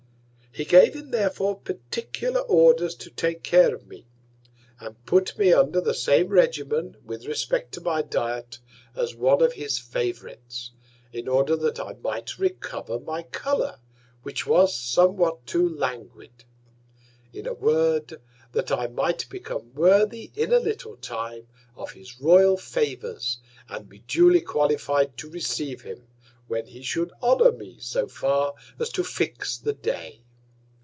He gave him therefore particular Orders to take care of me, and put me under the same Regimen, with respect to my Diet, as one of his Favourites, in order that I might recover my Colour, which was somewhat too languid; in a Word, that I might become worthy in a little Time of his Royal Favours, and be duely qualified to receive him, when he should honour me so far as to fix the Day.